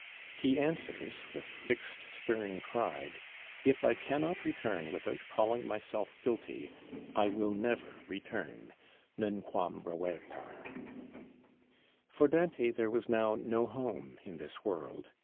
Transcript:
He answers, with fixed stern pride: "If I cannot return without calling myself guilty, I will never return (nunquam revertar)." For Dante there was now no home in this world.